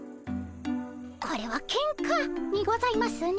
これはけんかにございますね。